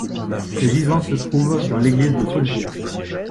Ces gisants se trouvent dans l'église de Folleville.